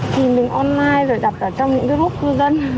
thì mình online rồi đặt vào trong những group cư dân